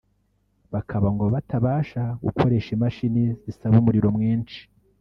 bakaba ngo batabasha gukoresha imashini zisaba umuriro mwinshi